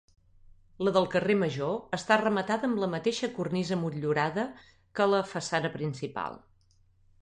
La del carrer Major està rematada amb la mateixa cornisa motllurada que la façana principal.